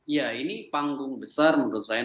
ya ini panggung besar menurut saya